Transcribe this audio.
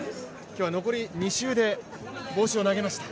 今日は残り２周で帽子を投げました